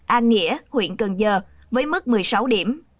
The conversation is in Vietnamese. an nghĩa huyện cần giờ với mức một mươi sáu điểm